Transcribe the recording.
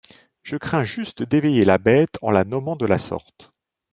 Je crains juste d’éveiller la bête en la nommant de la sorte.